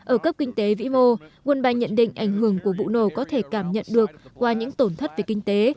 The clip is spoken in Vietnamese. ở cấp kinh tế vĩ mô world bank nhận định ảnh hưởng của vụ nổ có thể cảm nhận được qua những tổn thất về kinh tế